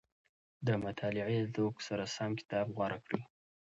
د مطالعې ذوق سره سم کتاب غوره کړئ.